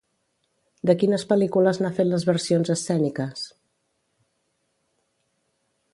De quines pel·lícules n'ha fet les versions escèniques?